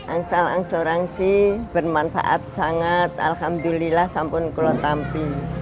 angsal asuransi bermanfaat sangat alhamdulillah sampun kulon tampi